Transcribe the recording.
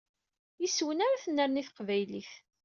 Yes-wen ara tennerni teqbaylit.